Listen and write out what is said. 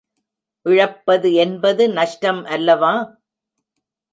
இழப்பது என்பது நஷ்டம் அல்லவா?